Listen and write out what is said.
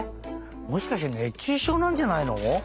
もしかして熱中症なんじゃないの？